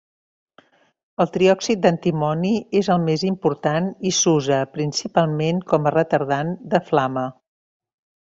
El triòxid d'antimoni és el més important i s'usa principalment com retardant de flama.